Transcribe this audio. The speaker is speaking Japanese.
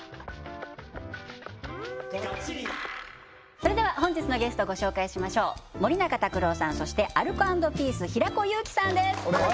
それでは本日のゲストご紹介しましょう森永卓郎さんそしてアルコ＆ピース平子祐希さんです